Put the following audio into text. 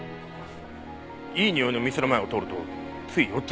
いいにおいの店の前を通るとつい寄っちゃって。